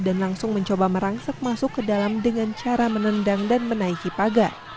dan langsung mencoba merangsak masuk ke dalam dengan cara menendang dan menaiki pagar